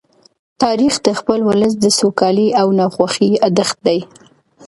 تاریخ د خپل ولس د سوکالۍ او ناخوښۍ يادښت دی.